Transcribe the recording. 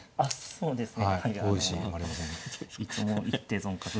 そうですね。